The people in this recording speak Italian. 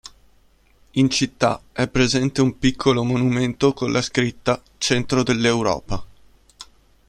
In città è presente un piccolo monumento con la scritta "Centro dell'Europa".